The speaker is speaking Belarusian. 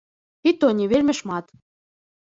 І то не вельмі шмат.